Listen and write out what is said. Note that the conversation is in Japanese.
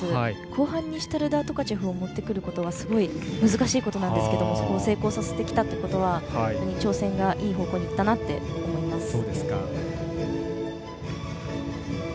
後半にシュタルダートカチェフを持ってくることはすごい難しいことなんですがそこを成功させてきたのは挑戦がいい方向にいったなと思います。